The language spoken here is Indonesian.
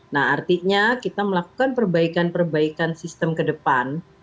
nah artinya kita melakukan perbaikan perbaikan sistem ke depan